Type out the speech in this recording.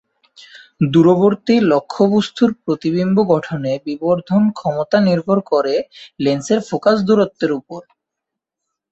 দূরবর্তী লক্ষ্যবস্তুর প্রতিবিম্ব গঠনে বিবর্ধন ক্ষমতা নির্ভর করে লেন্সের ফোকাস দূরত্বের উপর।